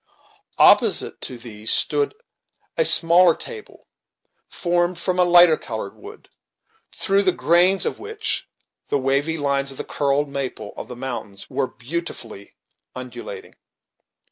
Opposite to these stood a smaller table, formed from a lighter colored wood, through the grains of which the wavy lines of the curled maple of the mountains were beautifully undulating.